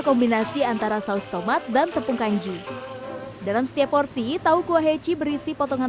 kombinasi antara saus tomat dan tepung kanji dalam setiap porsi tau kuah heci berisi potongan